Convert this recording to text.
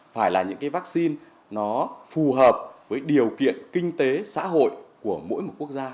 phải là những vaccine phù hợp với điều kiện kinh tế xã hội của mỗi quốc gia